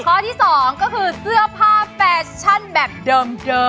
ข้อที่๒ก็คือเสื้อผ้าแฟชั่นแบบเดิม